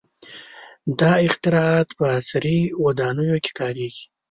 • دا اختراعات په عصري ودانیو کې کارېږي.